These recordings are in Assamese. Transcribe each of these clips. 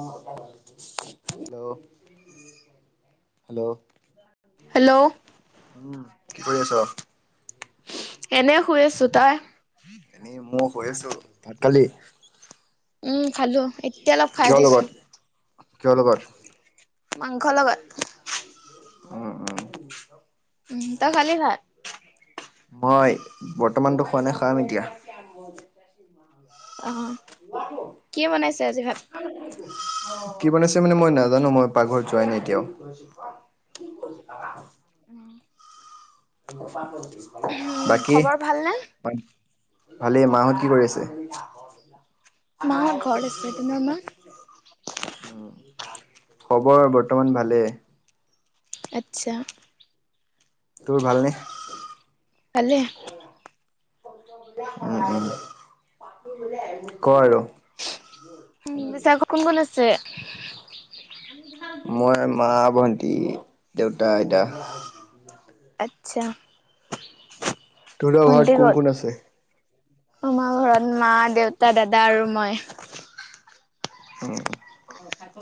অহ হেল্ল' হেল্ল'। হেল্ল'। উম, কি কৰি আছ? এনে শুই আছো। তই? এনেই মই শুই আছো। ভাত খালী? উম খালো। এতিয়া অলপ খাই কিহ দিছো লগত, কিয় লগত? মাংস লগত। উম উম। উম, তই খালি ভাত? মই বৰ্তমানটো খোৱা নাই, খাম এতিয়া। [unintelligible] [unintelligible] অ। কি বনাইছে আজি ভাত [unintelligible] কি বনাইছে মানে মই নাজানো মই পাকঘৰত যোৱাই নাই এতিয়াও। [unintelligible] [unintelligible] [unintelligible] উম বাকী খবৰ ভালনে? [unintelligible] ভালেই। মাহত কি কৰি আছে? মাহত ঘৰত আছে তোমাৰ মা [unintelligible] উ খবৰ বৰ্তমান ভালে। আত্চ্ছা। তোৰ ভালনে? ভালে উম উম ক আৰু উহ বিশা ঘত কোন কোন আছে? মই, মা, ভন্টি, দেউতা, আইতা। আত্চ্ছা। তহঁতৰ ঘৰত ভন্টি কোন ক'ত? কোন আছে? আমাৰ ঘৰত মা, দেউতা, দাদা আৰু মই।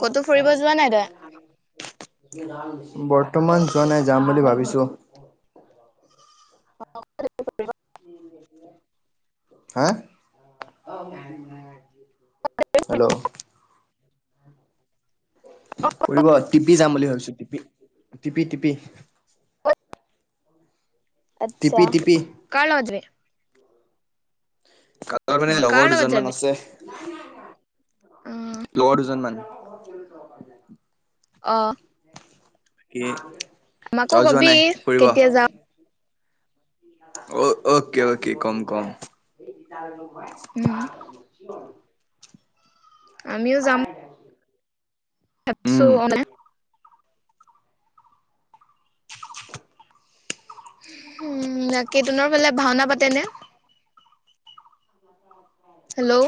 ক'তো ফুৰিব যোৱা নাই তই [unintelligible] বৰ্তমান যোৱা নাই যাম বুলি ভাবিছোঁ। [unintelligible] হা [unintelligible] হেল্ল' [inaudible] ফুৰিব টিপি যাম বুলি ভাবিছো টিপি টিপি, টিপি আচ্ছা টিপি কাৰ লগত যাবি। কাল মানে অ কাৰ লগৰ লগত দুজন মান যাবি আছে অ লগৰ দুজন মান। [inaudible] অঁ কি, আমাকো কবি কেতিয়া যাও। অ অ'কে অ'কে কম কম। ত লগত, উম, আমিও যাম। এপিছো উম অনে। উম তাকেইতো তোৰ ফালে ভাওনা পাতেনে। [unintelligible] হেল্ল',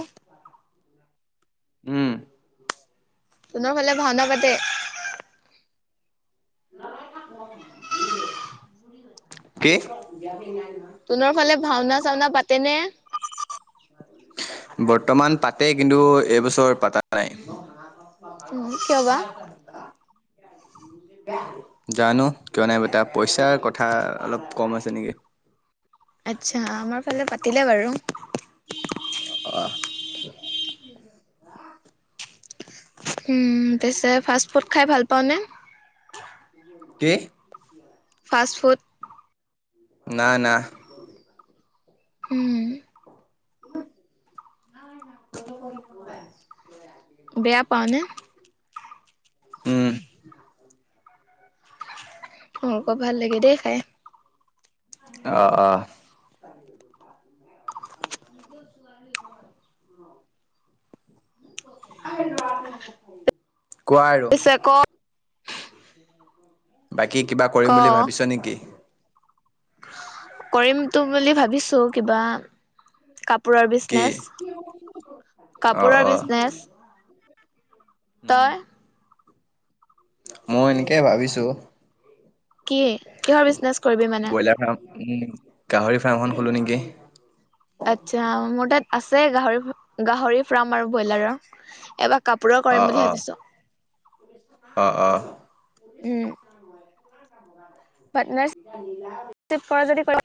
উম, তোনৰ ফালে ভাওনা পাতে। কি। তোনৰ ফালে ভাওনা চাওনা পাতেনে। বৰ্তমান পাতে কিন্তু এইবছৰ পাতা নাই। উম কিয় বা। জানো কিয় নাই পতা পইচাৰ কথা অলপ কম আছে নেকি। আচ্ছা আমাৰ ফালে পাতিলে বাৰু, অঁহ। উম পিছে ফাষ্ট ফুড খাই ভাল পাওঁনে? কি? ফাষ্ট ফুড, ন না। উম, [unintelligible] বেয়া পাও নে, উম [unintelligible] অক ভাল লাগে দেই খাই। অঁ অঁ, নিজ ছোৱালি ন, অ, কোৱা আৰু- ছে ক, বাকী কিবা ক কৰিম বুলি ভাবিছ নেকি? কৰিম তো বুলি ভাবিছোঁ কিবা। কাপোৰৰ কি বিজনেচ অ কাপোৰৰ অ বিজনেচ। উম তই। মই এনেকেই ভাবিছো। কি কিহৰ বিজনেচ কৰিবি মানে। ব্ৰইলাৰ উম গাহৰি ফাৰ্ম এখন খোলোঁ নেকি। আচ্ছা মোৰ তাত আছে গাহৰি গাহৰি ফাৰ্ম আৰু ব্ৰইলাৰৰ এবাক কাপোৰৰ অ কৰিম বুলি অ ভাবিছো, অ অ উম। পাতনাৰ, [unintelligible] পাৰ যদি কৰ